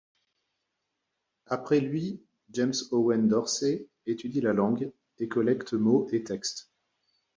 Après lui, James Owen Dorsey, étudie la langue, et collecte mots et textes.